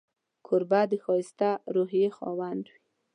کوربه د ښایسته روحيې خاوند وي.